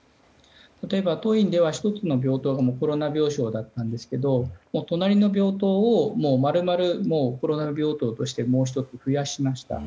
例えば当院では１つの病棟がコロナ病床だったんですが隣の病棟を丸々コロナ病棟としてもう１つ増やしました。